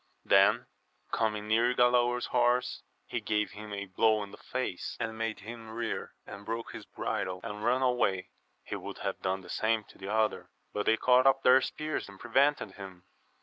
Then coming near Galaor's horse, he gave him a blow in the face, and made him rear and break his bridle, and run away. He would have done the same to the other, but they caught up their spears and prevented him.